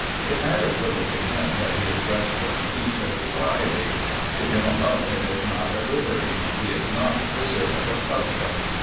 It matters little to him that he is dressed for a feast of propriety. To him alone it is not a livery; he is not the servant of custom.